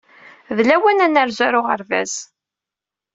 D lawan ad nerzu ɣer uɣerbaz.